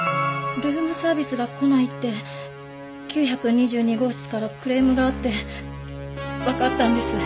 ルームサービスが来ないって９２２号室からクレームがあってわかったんです。